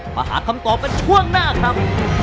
มาหาคำตอบกันช่วงหน้าครับ